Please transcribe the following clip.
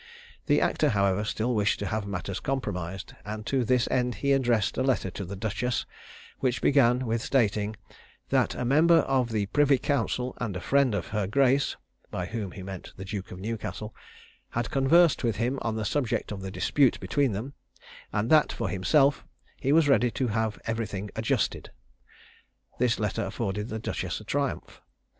The actor, however, still wished to have matters compromised; and to this end he addressed a letter to the duchess, which began with stating "that a member of the privy council and a friend of her grace (by whom he meant the Duke of Newcastle) had conversed with him on the subject of the dispute between them; and that, for himself, he was ready to have everything adjusted." This letter afforded the duchess a triumph.